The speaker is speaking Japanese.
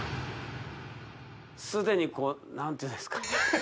すでにこう何ていうんですかね